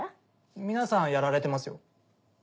皆さんやられてますよ。